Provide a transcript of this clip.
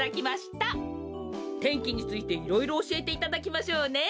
天気についていろいろおしえていただきましょうね。